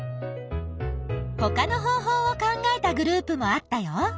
ほかの方法を考えたグループもあったよ。